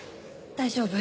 大丈夫？